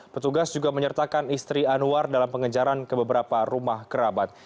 petugas juga menyertakan istri anwar dalam pengejaran ke beberapa rumah kerabat